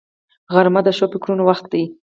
غرمه د ښو فکرونو وخت دی